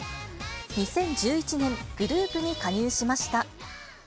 ２０１１年、グループに加入しました。